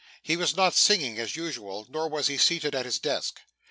He was not singing as usual, nor was he seated at his desk.